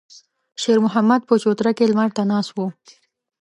شېرمحمد په چوتره کې لمر ته ناست و.